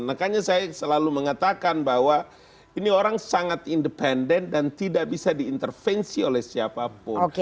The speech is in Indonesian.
makanya saya selalu mengatakan bahwa ini orang sangat independen dan tidak bisa diintervensi oleh siapapun